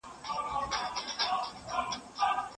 په کتاب کي څه راغلي راته وایه ملاجانه